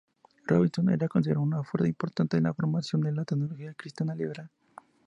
Robinson era considerado una fuerza importante en la formación de la teología cristiana liberal.